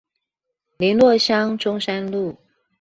麟洛鄉中山路